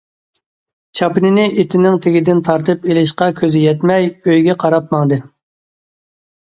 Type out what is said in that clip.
چاپىنىنى ئىتنىڭ تېگىدىن تارتىپ ئېلىشقا كۆزى يەتمەي، ئۆيگە قاراپ ماڭدى.